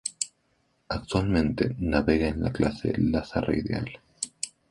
Actualmente, navega en la clase Laser Radial.